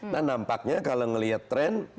nah nampaknya kalau ngelihat trend